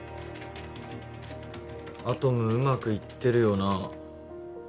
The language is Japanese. アトムうまくいってるよな